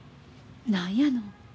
何やの？